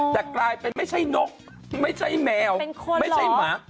แต่กลายเป็นไม่ใช่นกไม่ใช่แมวไม่ใช่หมา